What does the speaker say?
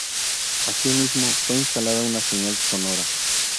Asimismo fue instalada una señal sonora.